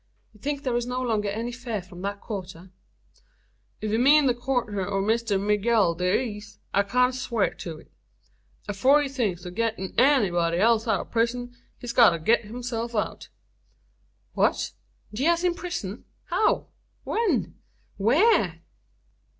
You think there is no longer any fear from that quarter?" "If you mean the quarter o' Mister Migooel Dee ez, I kin swar to it. Afore he thinks o' gittin' any b'dy else out o' a prison, he's got to git hisself out." "What; Diaz in prison! How? When? Where?"